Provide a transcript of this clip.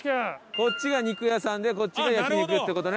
こっちが肉屋さんでこっちが焼肉っていう事ね。